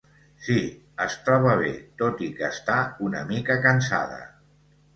Sí, es troba bé tot i que està una mica cansada.